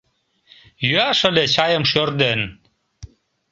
Йӱаш ыле чайым шӧр ден...